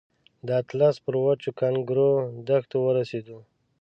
د اطلس پر وچو کانکرو دښتو ورسېدو.